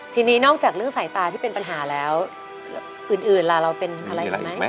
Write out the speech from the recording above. ทีนี้นอกจากเรื่องสายตาที่เป็นปัญหาแล้วอื่นล่ะเราเป็นอะไรอีกไหม